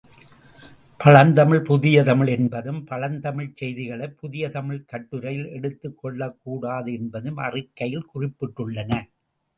பழந்தமிழ் புதிய தமிழ் என்பதும், பழந்தமிழ்ச் செய்திகளைப் புதிய தமிழ்க் கட்டுரையில் எடுத்துக் கொள்ளக்கூடாது என்பதும் அறிக்கையில் குறிப்பிடப்பட்டுள்ளன.